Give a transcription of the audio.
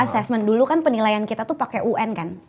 assessment dulu kan penilaian kita tuh pakai un kan